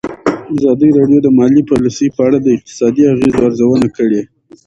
ازادي راډیو د مالي پالیسي په اړه د اقتصادي اغېزو ارزونه کړې.